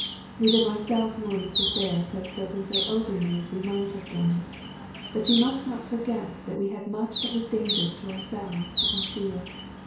Neither myself nor Mr. Ferrb have spoken so openly as we might have done. But you must not forget that we had much that was dangerous to ourselves to conceal.